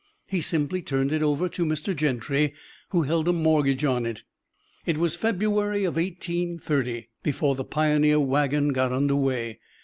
He simply turned it over to Mr. Gentry, who held a mortgage on it. It was February, 1830, before the pioneer wagon got under way.